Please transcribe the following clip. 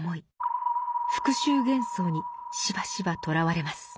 幻想にしばしばとらわれます。